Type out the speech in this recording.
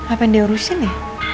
apa yang diurusin ya